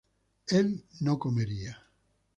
él no comería